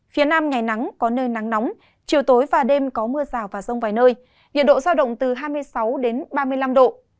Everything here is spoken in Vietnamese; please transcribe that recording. phía nam ngày nắng có nơi nắng nóng chiều tối và đêm có mưa rào và rông vài nơi nhiệt độ giao động từ hai mươi sáu ba mươi năm độ